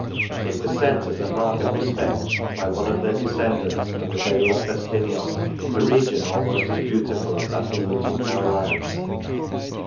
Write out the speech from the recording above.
It was sent as a mark of respect by one of their descendants from the vale of Festiniog, a region almost as beautiful as that in which it now lies